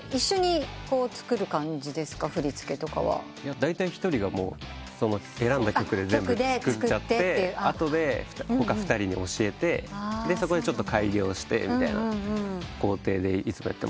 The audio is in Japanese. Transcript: だいたい１人が選んだ曲で全部作っちゃって後で他２人に教えてそこで改良してみたいな工程でいつもやってます。